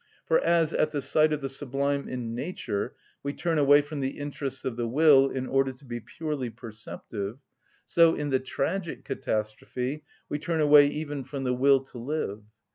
For, as at the sight of the sublime in nature we turn away from the interests of the will, in order to be purely perceptive, so in the tragic catastrophe we turn away even from the will to live.